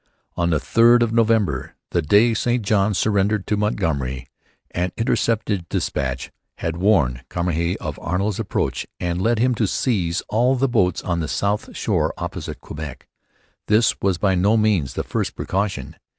On the 3rd of November, the day St Johns surrendered to Montgomery, an intercepted dispatch had warned Cramahe of Arnold's approach and led him to seize all the boats on the south shore opposite Quebec. This was by no means his first precaution.